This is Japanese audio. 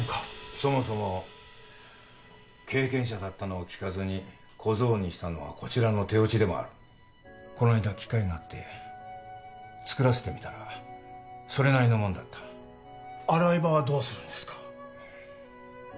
そもそも経験者だったのを聞かずに小僧にしたのはこちらの手落ちでもあるこの間機会があって作らせてみたらそれなりのもんだった洗い場はどうするんですか？